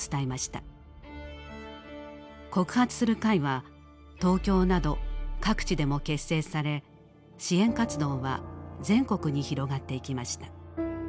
告発する会は東京など各地でも結成され支援活動は全国に広がっていきました。